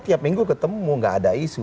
tiap minggu ketemu gak ada isu